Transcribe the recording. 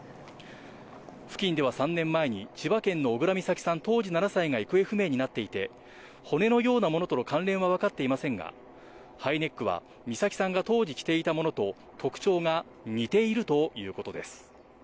付近では３年前に千葉県の小倉美咲さん、当時７歳が行方不明になっていて、骨のようなものとの関連はわかっていませんが、ハイネックは美咲さんが当時着ていたものと特徴が似ているということです。